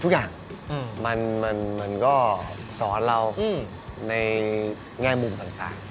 ทุกอย่างมันก็สอนเราในแง่มุมต่าง